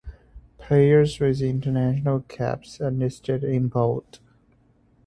Players with international caps are listed in bold